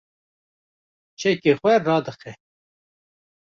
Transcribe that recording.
çekê xwe radixe